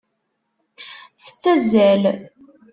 Tettazzal.